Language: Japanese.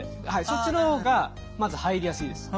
そっちの方がまず入りやすいです。